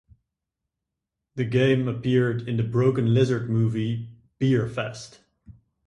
The game appeared in the Broken Lizard movie, "Beerfest".